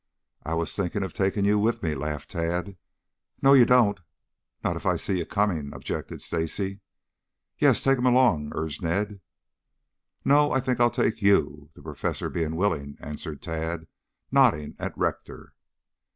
"I was thinking of taking you with me," laughed Tad. "No, you don't! Not if I see you coming," objected Stacy. "Yes, take him along," urged Ned. "No, I think I'll take you, the Professor being willing," answered Tad nodding at Rector.